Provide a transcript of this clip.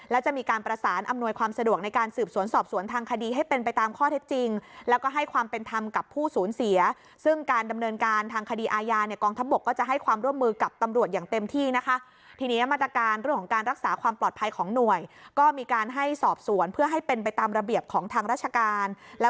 และจะมีการประสานอำนวยความสะดวกในการสืบสวนสอบสวนทางคดีให้เป็นไปตามข้อเท็จจริงแล้วก็ให้ความเป็นธรรมกับผู้สูญเสียซึ่งการดำเนินการทางคดีอาญาเนี่ยกองทัพบกก็จะให้ความร่วมมือกับตำรวจอย่างเต็มที่นะคะทีนี้มาตรการเรื่องของการรักษาความปลอดภัยของหน่วยก็มีการให้สอบสวนเพื่อให้เป็นไปตามระเบียบของทางราชการแล้ว